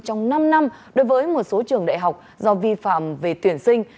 trong năm năm đối với một số trường đại học do vi phạm về tuyển sinh